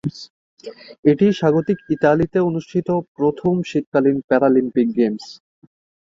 এটি স্বাগতিক ইতালিতে অনুষ্ঠিত প্রথম শীতকালীন প্যারালিম্পিক গেমস।